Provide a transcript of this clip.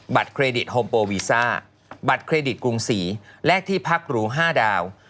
เครดิตโฮมโปวีซ่าบัตรเครดิตกรุงศรีและที่พักหรู๕ดาว